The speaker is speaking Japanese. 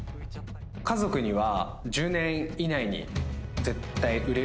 家族には。